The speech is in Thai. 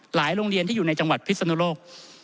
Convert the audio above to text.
โรงเรียนที่อยู่ในจังหวัดพิศนุโลก